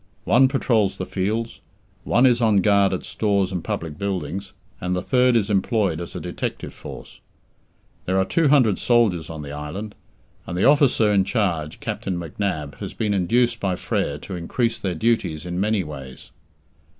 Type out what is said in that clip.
One patrols the fields, one is on guard at stores and public buildings, and the third is employed as a detective force. There are two hundred soldiers on the island. And the officer in charge, Captain McNab, has been induced by Frere to increase their duties in many ways.